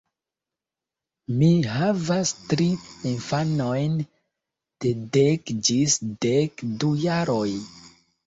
Mi havas tri infanojn de dek ĝis dek du jaroj.